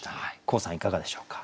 黄さんいかがでしょうか？